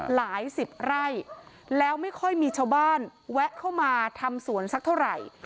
หลายสิบไร่แล้วไม่ค่อยมีชาวบ้านแวะเข้ามาทำสวนสักเท่าไหร่